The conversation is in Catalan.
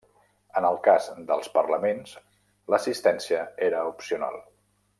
En el cas dels Parlaments l'assistència era opcional.